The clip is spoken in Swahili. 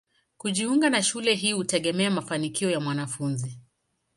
Kujiunga na shule hii hutegemea mafanikio ya mwanafunzi.